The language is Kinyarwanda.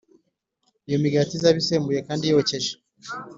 Iyo migati izabe isembuwe d kandi yokeje